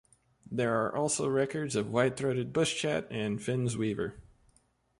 There are also records of white-throated bush chat and Finn's weaver.